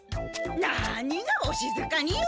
なにが「おしずかに」よ！